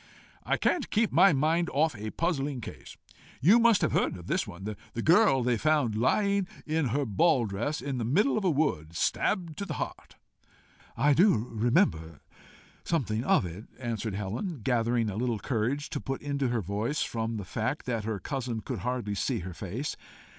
I can't keep my mind off a puzzling case. You must have heard of this one the girl they found lying in her ball dress in the middle of a wood stabbed to the heart?" "I do remember something of it," answered Helen, gathering a little courage to put into her voice from the fact that her cousin could hardly see her face.